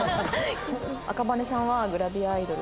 赤羽さんはグラビアアイドル。